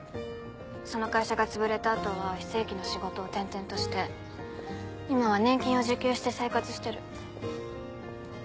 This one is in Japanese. その会社がつぶれた後は非正規の仕事を転々として今は年金を受給して生活してる。